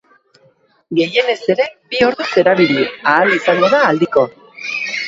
Gehienez ere, bi orduz erabili ahal izango da aldiko.